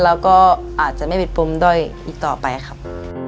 แล้วก็อาจจะไม่เป็นปมด้อยอีกต่อไปครับ